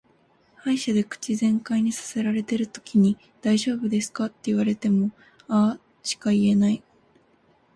歯医者で口全開にさせられてるときに「大丈夫ですか」って言われもも「あー」しか言えない。